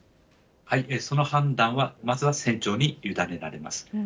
その判断はまずは船長にゆだねられます。